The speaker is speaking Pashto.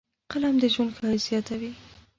قلم د ژوند ښایست زیاتوي